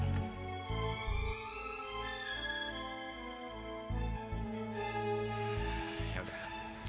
abang ngerti ya alasan kamu